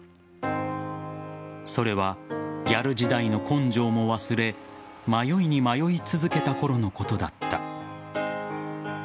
それはギャル時代の根性も忘れ迷いに迷い続けたころのことだった。